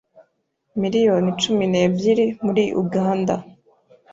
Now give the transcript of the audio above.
miliyoni cumi nebyiri muri Uganda